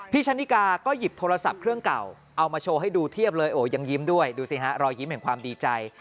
ชะนิกาก็หยิบโทรศัพท์เครื่องเก่าเอามาโชว์ให้ดูเทียบเลยโอ้ยังยิ้มด้วยดูสิฮะรอยยิ้มแห่งความดีใจ